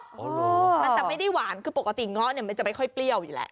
มันจะไม่ได้หวานคือปกติเงาะเนี่ยมันจะไม่ค่อยเปรี้ยวอยู่แล้ว